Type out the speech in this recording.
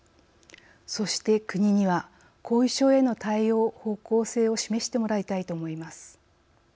そして、国には後遺症への対応・方向性を示してもらいたいと思います。